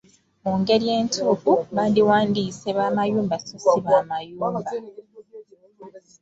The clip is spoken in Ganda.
Mu ngeri entuufu, bandiwandiise 'b’amayumba' so ssi 'bamayuumba'.